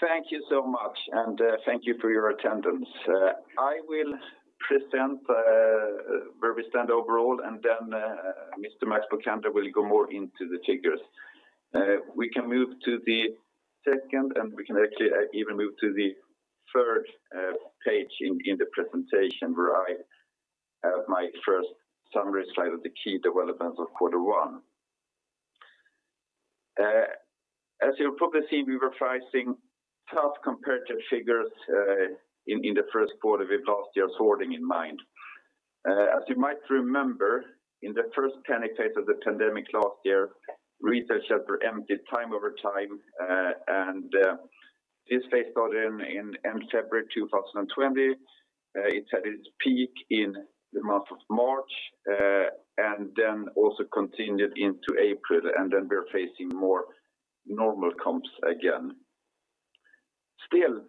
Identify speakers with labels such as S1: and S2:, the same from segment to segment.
S1: Thank you so much and thank you for your attendance. I will present where we stand overall, and then Mr. Max Bokander will go more into the figures. We can move to the second, and we can actually even move to the third page in the presentation where I have my first summary slide of the key developments of quarter one. As you'll probably see, we were facing tough comparative figures in first quarter with last year's hoarding in mind. As you might remember, in the first 10 weeks of the pandemic last year, retail shelves were emptied time over time, and this phase started in end February 2020. It had its peak in the month of March, and then also continued into April, and then we're facing more normal comps again. Still,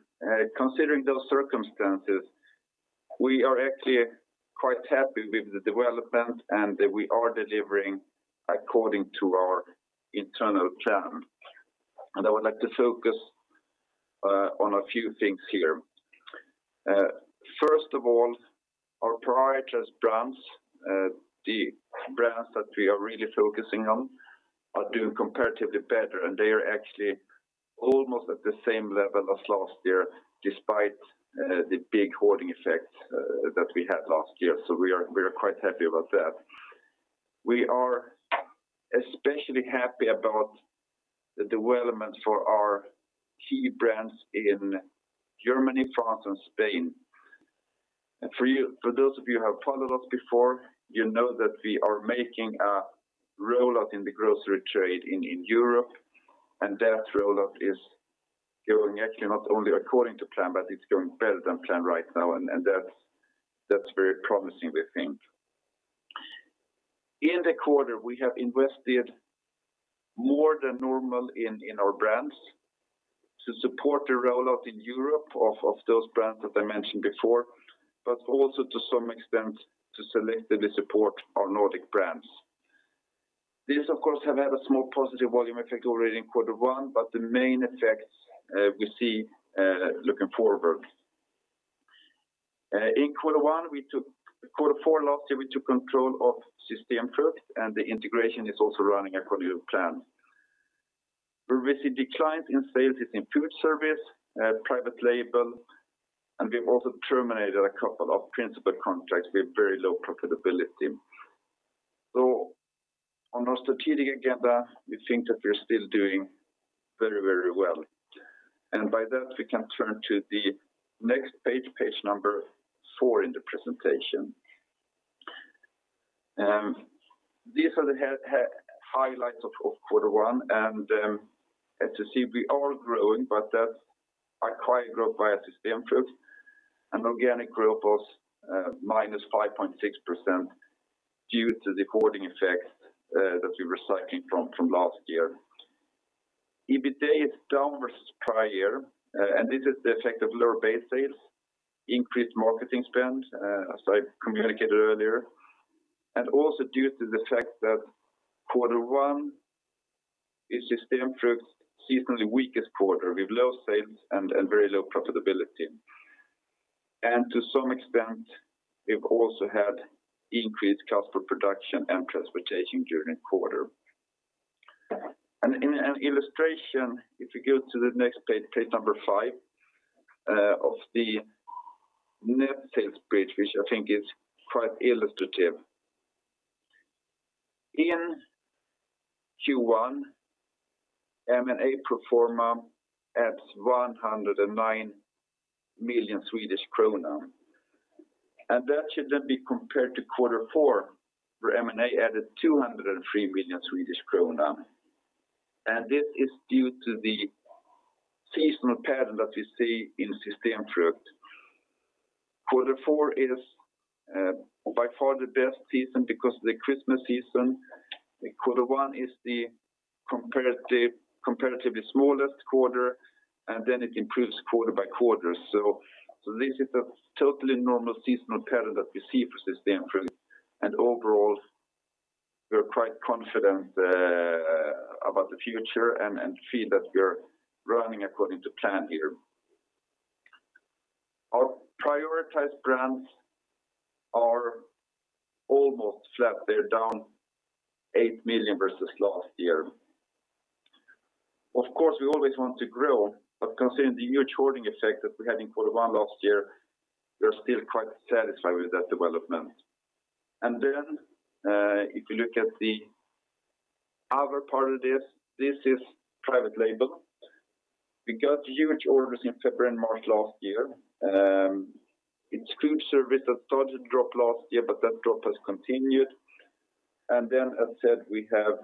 S1: considering those circumstances, we are actually quite happy with the development, and we are delivering according to our internal plan. I would like to focus on a few things here. First of all, our prioritized brands, the brands that we are really focusing on, are doing comparatively better, and they are actually almost at the same level as last year despite the big hoarding effect that we had last year. We are quite happy about that. We are especially happy about the development for our key brands in Germany, France, and Spain. For those of you who have followed us before, you know that we are making a rollout in the grocery trade in Europe, and that rollout is going actually not only according to plan, but it's going better than planned right now, and that's very promising we think. In the quarter, we have invested more than normal in our brands to support the rollout in Europe of those brands that I mentioned before, but also to some extent to selectively support our Nordic brands. These of course, have had a small positive volume effect already in quarter one, but the main effects we see looking forward. In quarter four last year, we took control of System Frugt and the integration is also running according to plan. We're seeing declines in sales in food service, private label, and we've also terminated a couple of principal contracts with very low profitability. On our strategic agenda, we think that we're still doing very well. By that, we can turn to the next page number four in the presentation. These are the highlights of quarter one, and as you see, we are growing, but that's acquired growth via System Frugt, and organic growth was -5.6% due to the hoarding effect that we were suffering from last year. EBITDA is down versus prior year, and this is the effect of lower base sales, increased marketing spend, as I communicated earlier, and also due to the fact that quarter one is System Frugt's seasonally weakest quarter with low sales and very low profitability. To some extent, we've also had increased cost for production and transportation during the quarter. An illustration, if you go to the next page number five of the net sales page, which I think is quite illustrative. In Q1, M&A pro forma adds 109 million Swedish kronor, and that should then be compared to quarter four, where M&A added 203 million Swedish krona. This is due to the seasonal pattern that we see in System Frugt. Quarter four is by far the best season because of the Christmas season. Quarter one is the comparatively smallest quarter, and then it improves quarter by quarter. This is a totally normal seasonal pattern that we see for System Frugt. Overall, we're quite confident about the future and feel that we're running according to plan here. Our prioritized brands are almost flat. They're down 8 million versus last year. Of course, we always want to grow, but considering the huge hoarding effect that we had in quarter one last year, we're still quite satisfied with that development. If you look at the other part of this is private label. We got huge orders in February and March last year. In food service, it started to drop last year, but that drop has continued. As I said, we have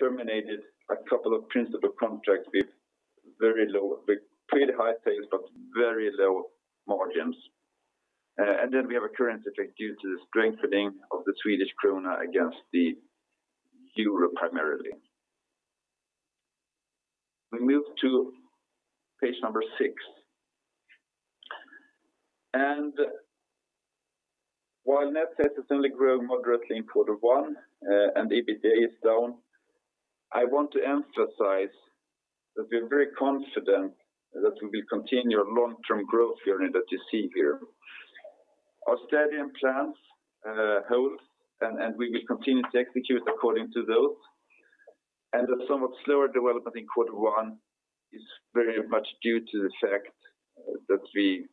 S1: terminated a couple of principal contracts with pretty high sales, but very low margins. We have a currency effect due to the strengthening of the Swedish krona against the EUR primarily. We move to page number six. While net sales has only grown moderately in quarter one and EBITDA is down, I want to emphasize that we are very confident that we will continue our long-term growth journey that you see here. Our strategy and plans hold, we will continue to execute according to those. The somewhat slower development in quarter one is very much due to the fact that we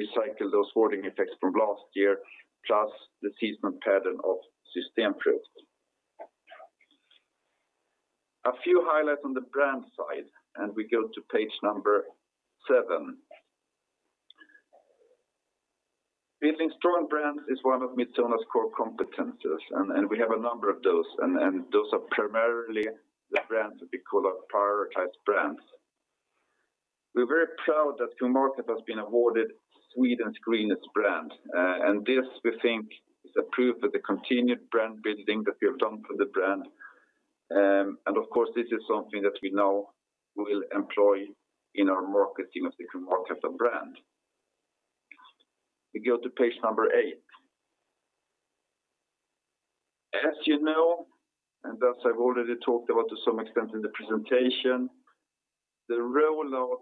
S1: recycle those hoarding effects from last year, plus the seasonal pattern of System Frugt. A few highlights on the brand side, and we go to page number seven. Building strong brands is one of Midsona's core competencies, and we have a number of those, and those are primarily the brands that we call our prioritized brands. We're very proud that Kung Markatta has been awarded Sweden's greenest brand, and this we think is a proof of the continued brand building that we have done for the brand. Of course, this is something that we now will employ in our marketing of the Kung Markatta brand. We go to page number eight. As you know, and as I've already talked about to some extent in the presentation, the rollout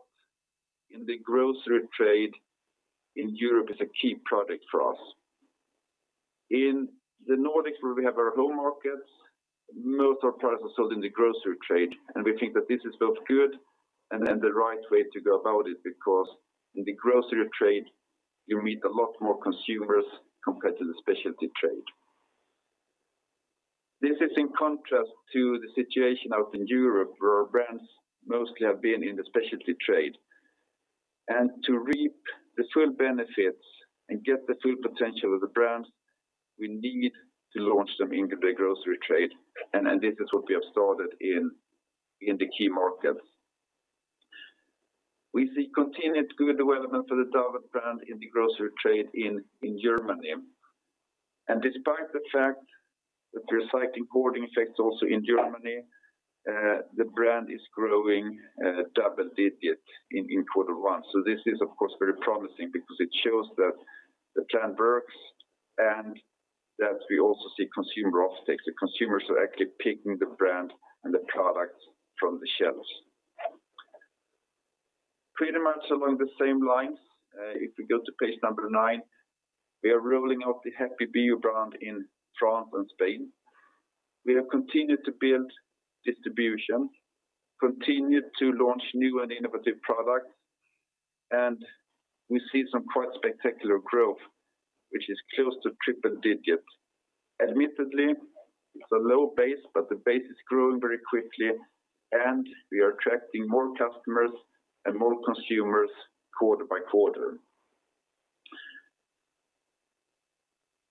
S1: in the grocery trade in Europe is a key project for us. In the Nordics, where we have our home markets, most of our products are sold in the grocery trade, we think that this is both good and the right way to go about it because in the grocery trade, you meet a lot more consumers compared to the specialty trade. This is in contrast to the situation out in Europe, where our brands mostly have been in the specialty trade. To reap the full benefits and get the full potential of the brands, we need to launch them into the grocery trade. This is what we have started in the key markets. We see continued good development for the Davert brand in the grocery trade in Germany. Despite the fact that we are citing hoarding effects also in Germany, the brand is growing double digits in Q1. This is of course very promising because it shows that the plan works and that we also see consumer off-take. The consumers are actually picking the brand and the products from the shelves. Pretty much along the same lines, if we go to page number nine, we are rolling out the Happy Bio brand in France and Spain. We have continued to build distribution, continued to launch new and innovative products, and we see some quite spectacular growth, which is close to triple digits. Admittedly, it's a low base, but the base is growing very quickly, and we are attracting more customers and more consumers quarter by quarter.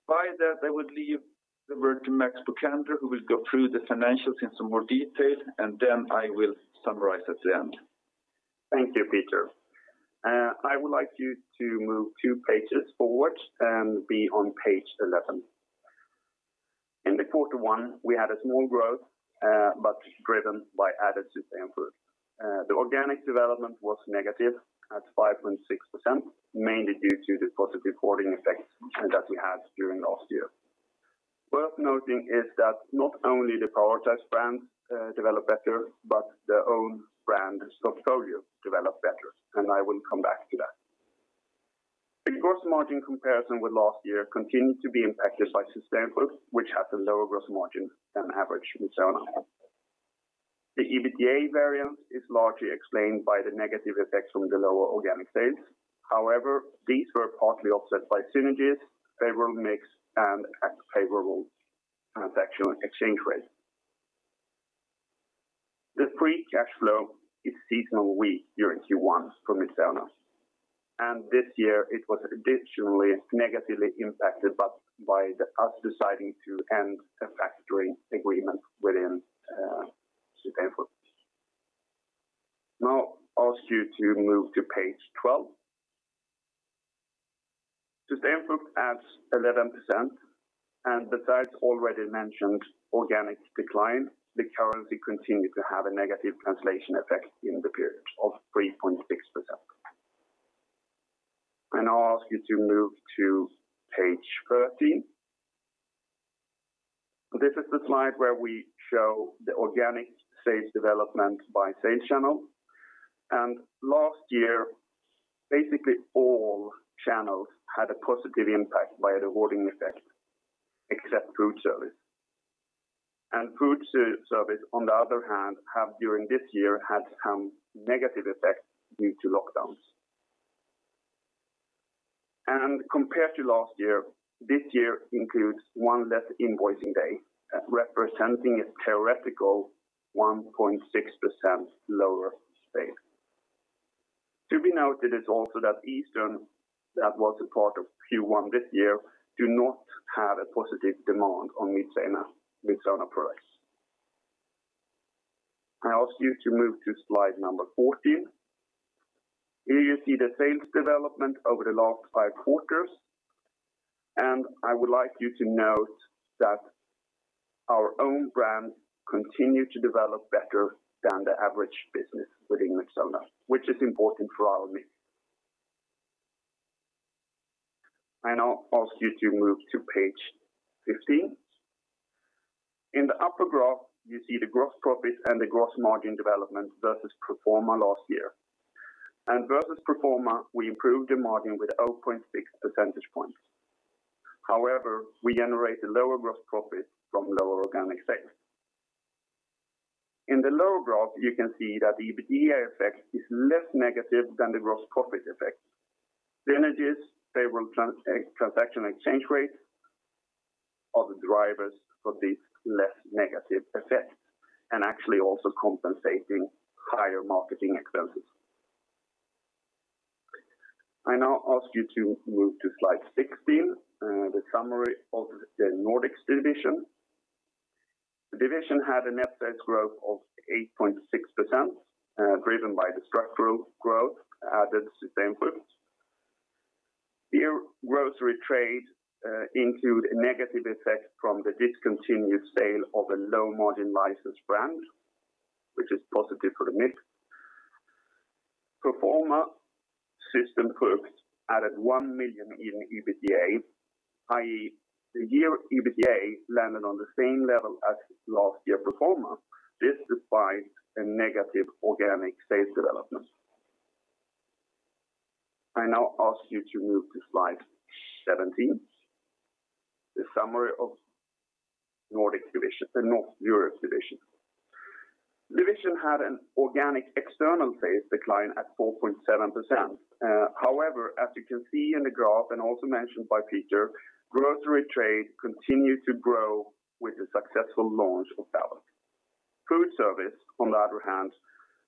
S1: By that, I would leave the word to Max Bokander, who will go through the financials in some more detail, and then I will summarize at the end.
S2: Thank you, Peter. I would like you to move two pages forward and be on page 11. In the quarter one, we had a small growth, driven by added System Frugt. The organic development was negative at 5.6%, mainly due to the positive hoarding effects that we had during last year. Worth noting is that not only the prioritized brands developed better, the own brand portfolio developed better. I will come back to that. The gross margin comparison with last year continued to be impacted by System Frugt, which has a lower gross margin than average in Midsona. The EBITDA variance is largely explained by the negative effects from the lower organic sales. These were partly offset by synergies, favorable mix, and favorable transactional exchange rates. The free cash flow is seasonally weak during Q1 for Midsona, and this year it was additionally negatively impacted by us deciding to end a factory agreement within System Frugt. Now, I'll ask you to move to page 12. System Frugt adds 11%, and besides already mentioned organic decline, the currency continued to have a negative translation effect in the period of 3.6%. I'll ask you to move to page 13. This is the slide where we show the organic sales development by sales channel. Last year, basically all channels had a positive impact by the hoarding effect except food service. Food service, on the other hand, during this year had some negative effects due to lockdowns. Compared to last year, this year includes one less invoicing day, representing a theoretical 1.6% lower space. To be noted is also that Easter, that was a part of Q1 this year, do not have a positive demand on Midsona products. I ask you to move to slide number 14. Here you see the sales development over the last five quarters. I would like you to note that our own brands continue to develop better than the average business within Midsona, which is important for our mix. I now ask you to move to page 15. In the upper graph, you see the gross profit and the gross margin development versus pro forma last year. Versus pro forma, we improved the margin with 0.6 percentage points. However, we generated lower gross profit from lower organic sales. In the lower graph, you can see that the EBITDA effect is less negative than the gross profit effect. Actually also compensating higher marketing expenses. I now ask you to move to slide 16, the summary of the Nordics division. The division had a net sales growth of 8.6%, driven by the structural growth, added System Frugt. Here grocery trade include a negative effect from the discontinued sale of a low-margin licensed brand, which is positive for the mix. Pro forma, System Frugt added 1 million in EBITDA, i.e., the year EBITDA landed on the same level as last year pro forma. This despite a negative organic sales development. I now ask you to move to slide 17, the summary of Division North Europe. The Division had an organic external sales decline at 4.7%. However, as you can see in the graph and also mentioned by Peter, grocery trade continued to grow with the successful launch of Balik. Food service, on the other hand,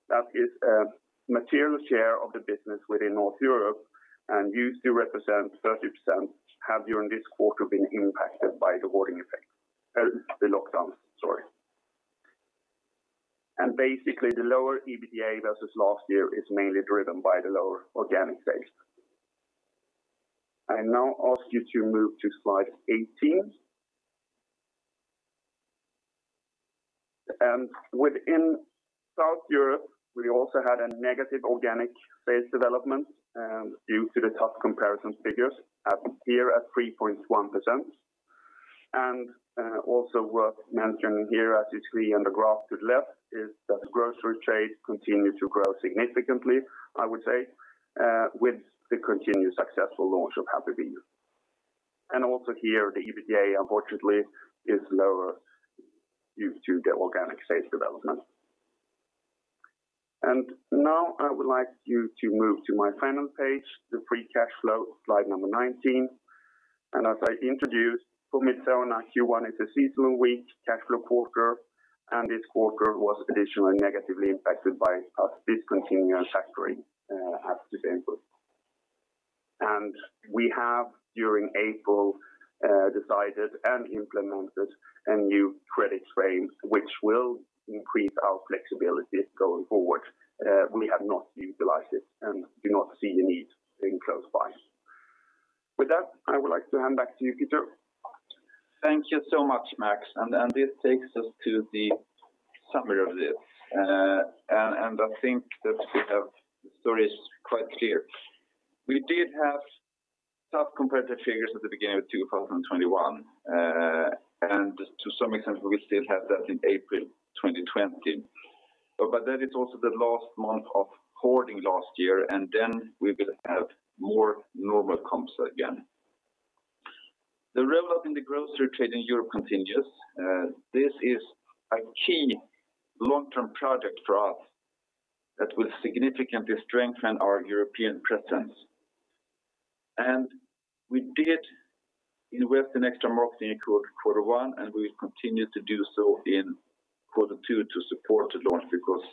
S2: that is a material share of the business within North Europe and used to represent 30%, have during this quarter been impacted by the lockdown. Basically, the lower EBITDA versus last year is mainly driven by the lower organic sales. I now ask you to move to slide 18. Within South Europe, we also had a negative organic sales development due to the tough comparison figures here at 3.1%. Also worth mentioning here, as you see on the graph to the left, is that grocery trade continued to grow significantly, I would say, with the continued successful launch of Happy Bio. Also here, the EBITDA, unfortunately, is lower due to the organic sales development. Now I would like you to move to my final page, the free cash flow, slide number 19. As I introduced, for Midsona, Q1 is a seasonally weak cash flow quarter, and this quarter was additionally negatively impacted by a discontinued factory at System Frugt. We have during April, decided and implemented a new credit frame which will increase our flexibility going forward. We have not utilized it and do not see the need in close by. With that, I would like to hand back to you, Peter.
S1: Thank you so much, Max. This takes us to the summary of this. I think that we have the stories quite clear. We did have tough comparative figures at the beginning of 2021. To some extent, we still have that in April 2020. That is also the last month of hoarding last year, and then we will have more normal comps again. The relevance in the grocery trade in Europe continues. This is a key long-term project for us that will significantly strengthen our European presence. We did invest in extra marketing in Q1, and we will continue to do so in Q2 to support the launch because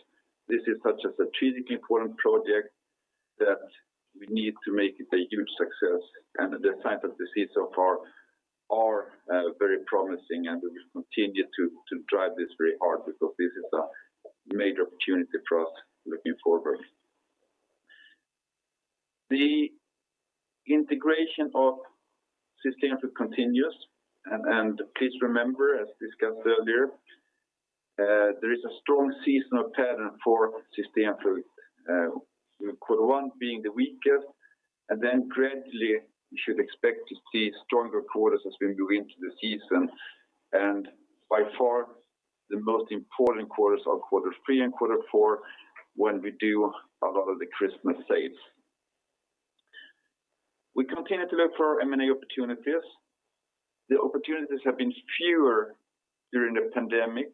S1: this is such a strategically important project that we need to make it a huge success. The signs that we see so far are very promising, and we will continue to drive this very hard because this is a major opportunity for us looking forward. The integration of System Frugt continues. Please remember, as discussed earlier, there is a strong seasonal pattern for System Frugt with Q1 being the weakest, and then gradually you should expect to see stronger quarters as we move into the season. By far, the most important quarters are quarter three and quarter four when we do a lot of the Christmas sales. We continue to look for M&A opportunities. The opportunities have been fewer during the pandemic,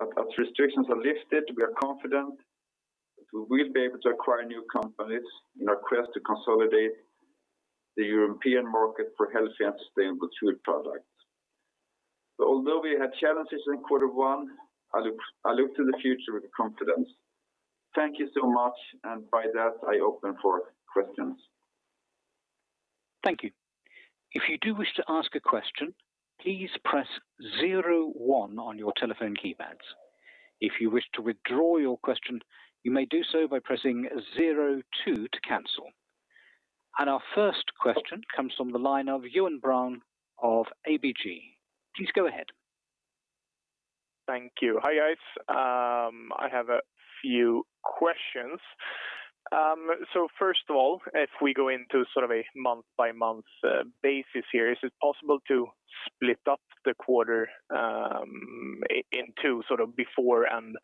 S1: but as restrictions are lifted, we are confident that we will be able to acquire new companies in our quest to consolidate the European market for healthy and sustainable food products. Although we had challenges in quarter one, I look to the future with confidence. Thank you so much, and by that, I open for questions.
S3: Thank you. If you wish to ask a question, olease press zero one on your telephone keypads. If you wish to withdraw your question, you may do so by pressing zero two to cancel. Our first question comes from the line of Ewan Brown of ABG. Please go ahead.
S4: Thank you. Hi, guys. I have a few questions. First of all, if we go into a month-by-month basis here, is it possible to split up the quarter into before and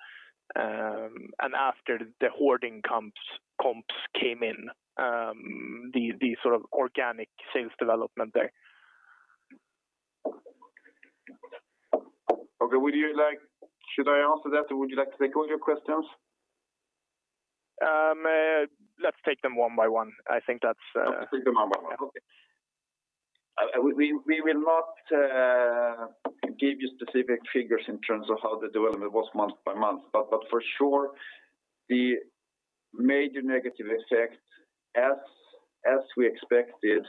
S4: after the hoarding comps came in, the organic sales development there?
S1: Okay. Should I answer that or would you like to take all your questions?
S4: Let's take them one by one.
S1: Let's take them one by one. Okay. We will not give you specific figures in terms of how the development was month by month, but for sure, the major negative effect as we expected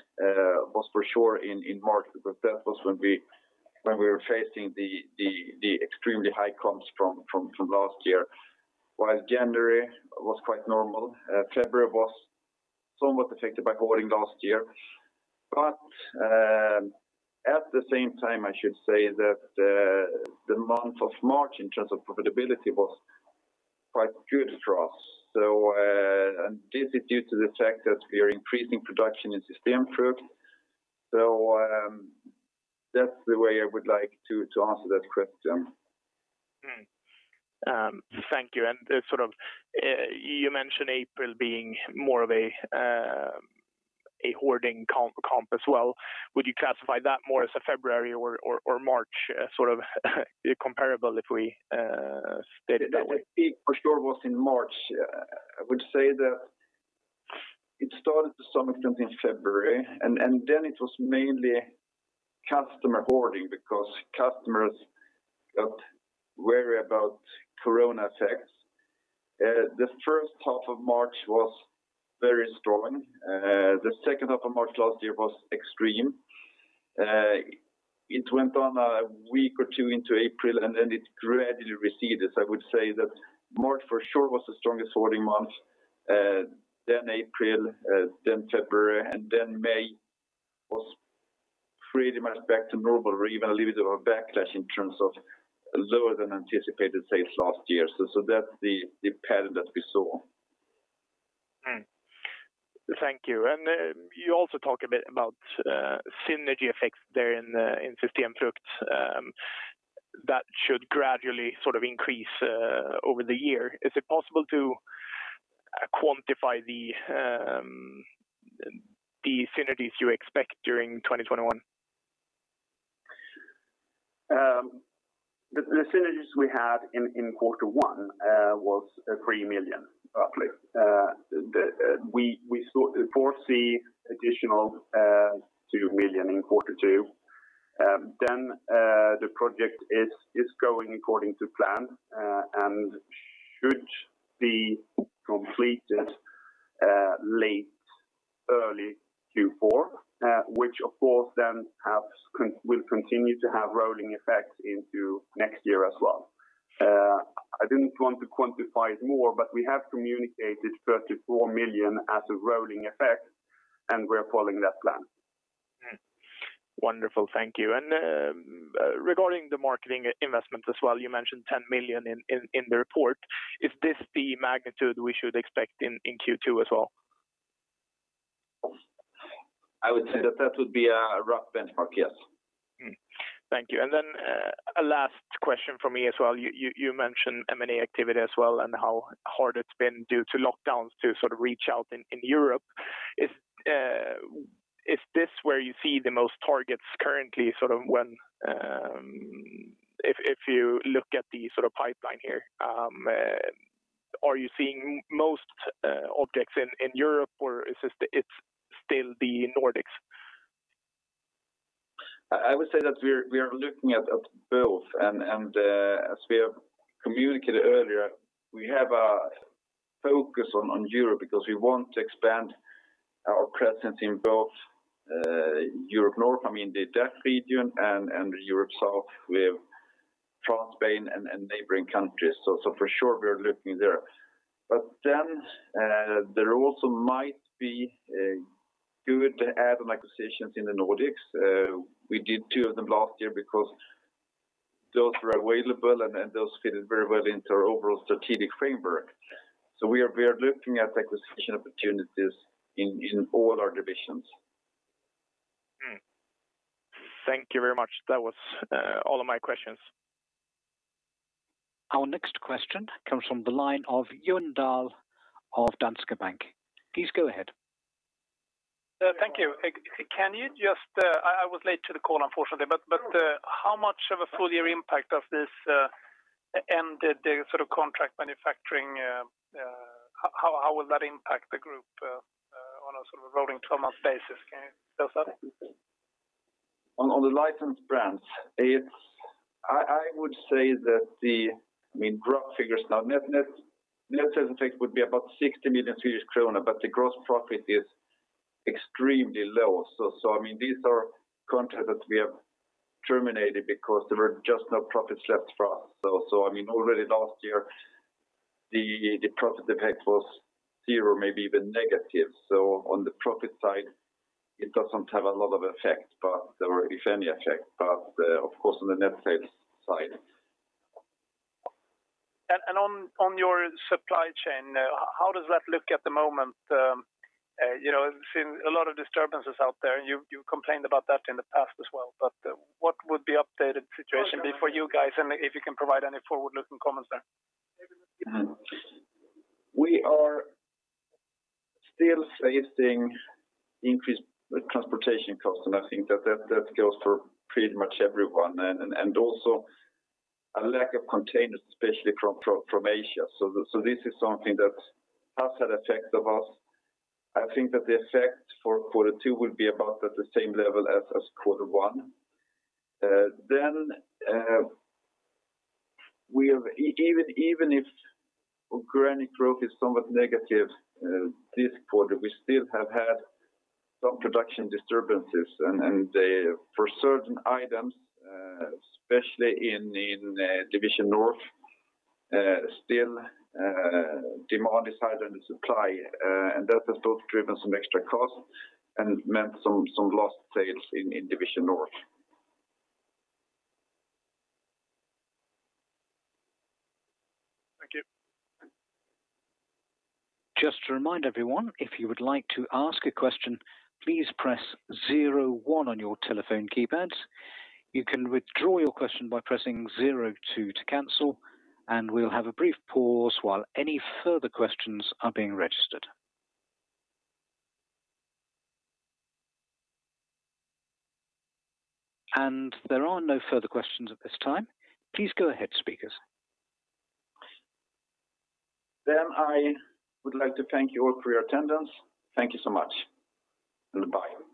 S1: was for sure in March, because that was when we were facing the extremely high comps from last year. While January was quite normal, February was somewhat affected by hoarding last year. At the same time, I should say that the month of March, in terms of profitability, was quite good for us. And this is due to the fact that we are increasing production in System Frugt. That's the way I would like to answer that question.
S4: Thank you. You mentioned April being more of a hoarding comp as well. Would you classify that more as a February or March comparable, if we state it that way?
S1: The peak for sure was in March. I would say that it started to some extent in February, and then it was mainly customer hoarding because customers got wary about Corona effects. The first half of March was very strong. The second half of March last year was extreme. It went on a week or two into April, and then it gradually receded. I would say that March for sure was the strongest hoarding month, then April, then February, and then May was pretty much back to normal or even a little bit of a backlash in terms of lower than anticipated sales last year. That's the pattern that we saw.
S4: Thank you. You also talk a bit about synergy effects there in System Frugt that should gradually increase over the year. Is it possible to quantify the synergies you expect during 2021?
S1: The synergies we had in quarter one was 3 million, roughly. We foresee additional 2 million in quarter two. The project is going according to plan and should be completed late early Q4 which of course then will continue to have rolling effects into next year as well. I didn't want to quantify it more, but we have communicated 34 million as a rolling effect, and we're following that plan.
S4: Wonderful. Thank you. Regarding the marketing investment as well, you mentioned 10 million in the report. Is this the magnitude we should expect in Q2 as well?
S1: I would say that that would be a rough benchmark, yes.
S4: Thank you. A last question from me as well. You mentioned M&A activity as well and how hard it has been due to lockdowns to reach out in Europe. Is this where you see the most targets currently if you look at the pipeline here? Are you seeing most objects in Europe, or is it still the Nordics?
S1: I would say that we are looking at both, and as we have communicated earlier, we have a focus on Europe because we want to expand our presence in both Europe North, I mean the DACH region, and Europe South with France, Spain, and neighboring countries. For sure we are looking there. There also might be good add-on acquisitions in the Nordics. We did two of them last year because those were available, and those fitted very well into our overall strategic framework. We are looking at acquisition opportunities in all our divisions.
S4: Thank you very much. That was all of my questions.
S3: Our next question comes from the line of Johan Dahl of Danske Bank. Please go ahead.
S5: Thank you. I was late to the call, unfortunately. How much of a full-year impact of this ended the contract manufacturing? How will that impact the group on a rolling 12-month basis? Can you discuss that?
S1: On the licensed brands, I would say that I mean, rough figures now. Net effect would be about 60 million Swedish kronor, but the gross profit is extremely low. These are contracts that we have terminated because there were just no profits left for us. Already last year, the profit impact was zero, maybe even negative. On the profit side, it doesn't have a lot of effect, if any effect, but of course, on the net sales side.
S5: On your supply chain, how does that look at the moment? I've seen a lot of disturbances out there, and you complained about that in the past as well, but what would be updated situation be for you guys, and if you can provide any forward-looking comments there?
S1: We are still facing increased transportation costs, and I think that goes for pretty much everyone. A lack of containers, especially from Asia. This is something that has had effect of us. I think that the effect for quarter two will be about at the same level as quarter one. Even if organic growth is somewhat negative this quarter, we still have had some production disturbances. For certain items, especially in Division North, still demand is higher than the supply. That has also driven some extra costs and meant some lost sales in Division North.
S5: Thank you.
S3: Just to remind everyone, if you would like to ask a question, please press zero on your telephone keypads. You can withdraw your question by pressing zero to cancel, and we'll have a brief pause while any further questions are being registered. And there are no further questions at this time. Please go ahead, speakers.
S1: I would like to thank you all for your attendance. Thank you so much, and bye.